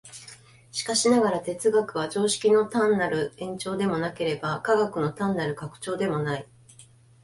しかしながら、哲学は常識の単なる延長でもなければ、科学の単なる拡張でもない。